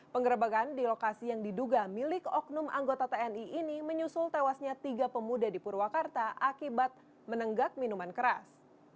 penggerebekan di lokasi yang diduga milik oknum anggota tni ini menyusul tewasnya tiga pemuda di purwakarta akibat menenggak minuman keras